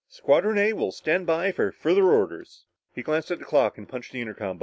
Squadron A will stand by for further orders." Tom glanced at the clock and punched the intercom button.